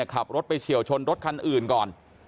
ขับรถไปเฉียวชนรถคันอื่นก่อน